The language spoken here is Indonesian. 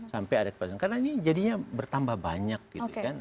sampai ada kepastian karena ini jadinya bertambah banyak gitu kan